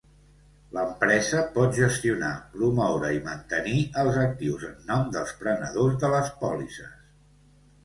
L'empresa pot gestionar, promoure i mantenir els actius en nom dels prenedors de les pòlisses.